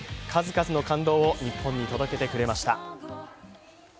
数々の感動を日本に届けてくれました。